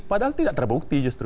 padahal tidak terbukti justru